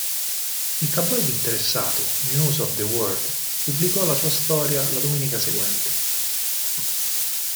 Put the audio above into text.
Il tabloid interessato, "News of the World", pubblicò la sua storia la domenica seguente.